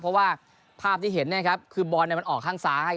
เพราะว่าภาพที่เห็นคือบอลมันออกข้างซ้าย